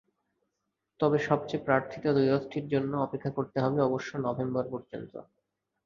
তবে সবচেয়ে প্রার্থিত দ্বৈরথটির জন্য অপেক্ষা করতে হবে অবশ্য নভেম্বর পর্যন্ত।